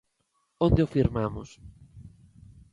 ¿Onde o firmamos?